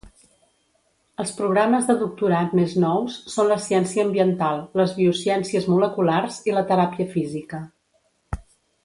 Els programes de doctorat més nous són la ciència ambiental, les biociències moleculars i la teràpia física.